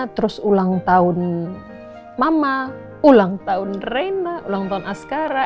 terus ulang tahun mama ulang tahun rena ulang tahun askara